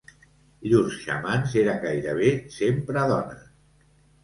Llurs xamans eren gairebé sempre dones.